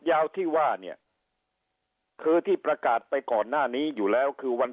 ยาวที่ว่าเนี่ยคือที่ประกาศไปก่อนหน้านี้อยู่แล้วคือวัน